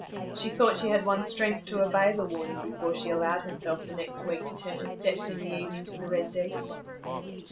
She thought she had won strength to obey the warning before she allowed herself the next week to turn her steps in the evening to the Red Deeps.